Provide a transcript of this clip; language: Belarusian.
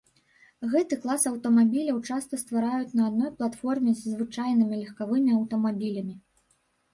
Гэты клас аўтамабіляў часта ствараюць на адной платформе з звычайнымі легкавымі аўтамабілямі.